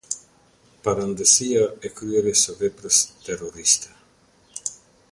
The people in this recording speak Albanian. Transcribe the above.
Parëndësia e kryerjes së veprës terroriste.